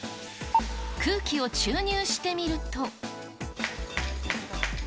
空気を注入してみると。